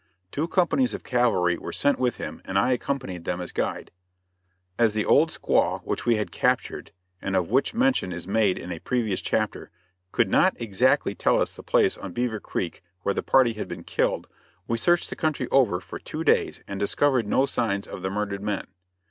Two companies of cavalry were sent with him and I accompanied them as guide. As the old squaw, which we had captured, and of which mention is made in a previous chapter, could not exactly tell us the place on Beaver Creek where the party had been killed, we searched the country over for two days and discovered no signs of the murdered men.